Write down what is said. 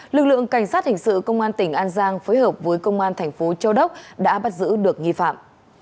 lực lượng cảnh sát hình sự công an tỉnh an giang phối hợp với công an thành phố châu đốc đã bắt giữ được nghi phạm